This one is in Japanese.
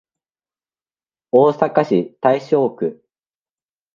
大阪市大正区